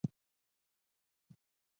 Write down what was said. د پسرلي ږغ د نوي ژوند زیری ورکوي.